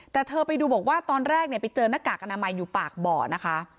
แต่เธอไปดูบอกว่าตอนแรกเนี่ยไปเจอหน้ากากอนามัยอยู่ปากบ่อนะคะ